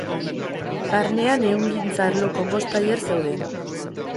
Barnean ehungintza arloko bost tailer zeuden.